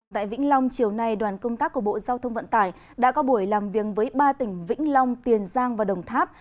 tại vĩnh long chiều nay đoàn công tác của bộ giao thông vận tải đã có buổi làm việc với ba tỉnh vĩnh long tiền giang và đồng tháp